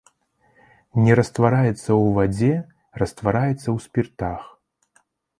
Не раствараецца ў вадзе, раствараецца ў спіртах.